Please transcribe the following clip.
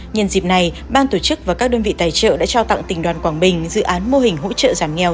nhân dịp này ban tổ chức và các đơn vị tài trợ đã trao tặng tỉnh đoàn quảng bình dự án mô hình hỗ trợ giảm nghèo